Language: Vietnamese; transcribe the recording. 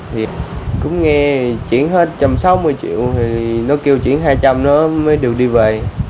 thì cũng nghe chuyển hết trăm sáu mươi triệu thì nó kêu chuyển hai trăm linh nó mới được đi về